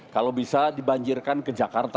kalau bisa dibanjirkan ke jakarta